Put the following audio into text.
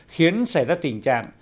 khiến xảy ra tình trạng